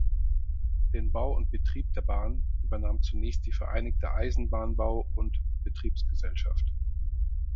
Den Bau und Betrieb der Bahn übernahm zunächst die Vereinigte Eisenbahnbau- und Betriebs-Gesellschaft.